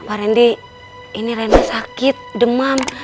pak rendy ini rendy sakit demam